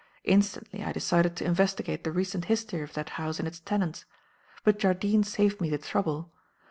Instantly, I decided to investigate the recent history of that house and its tenants; but Jardine saved me the trouble.